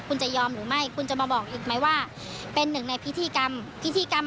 คุณจะยอมหรือไม่คุณจะมาบอกอีกไหมว่าเป็นหนึ่งในพิธีกรรมพิธีกรรม